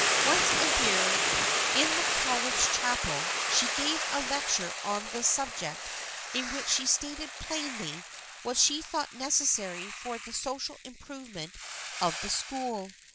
Once a year in the college chapel, she gave a lecture on this subject in which she stated plainly what she thought necessary for the social improvement of the school.